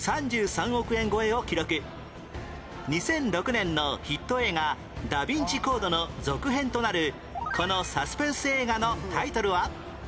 １３年前２００６年のヒット映画『ダ・ヴィンチ・コード』の続編となるこのサスペンス映画のタイトルは？